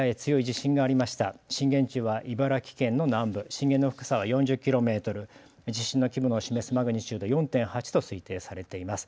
震源地は茨城県の南部震源の深さは４０ｋｍ、地震の規模を示すマグニチュード４．８と推定されています。